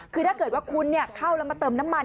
คือถ้าเกิดว่าคุณเข้าแล้วมาเติมน้ำมัน